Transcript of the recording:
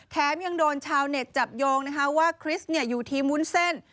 ยังโดนชาวเน็ตจับโยงนะคะว่าคริสต์อยู่ทีมวุ้นเส้น